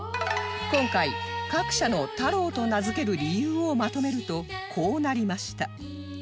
今回各社の「太郎」と名付ける理由をまとめるとこうなりました